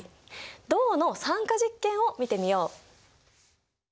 銅の酸化実験を見てみよう。